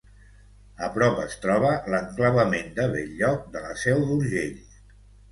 A prop es troba l'enclavament de Bell-lloc de la Seu d'Urgell.